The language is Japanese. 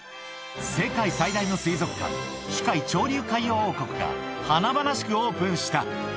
世界最大の水族館、珠海長隆海洋王国が華々しくオープンした。